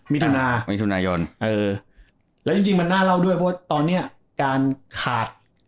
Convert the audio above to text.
มิถุนามิถุนายนเออแล้วจริงจริงมันน่าเล่าด้วยเพราะว่าตอนเนี้ยการขาด